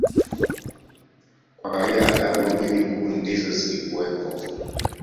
Kwa kawaida adhabu mbili kuu ndizo zilikuwepo